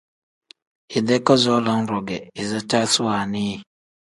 Idee kazoo lam-ro ge izicaasi wannii yi.